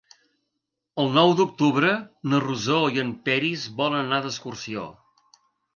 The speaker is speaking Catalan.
El nou d'octubre na Rosó i en Peris volen anar d'excursió.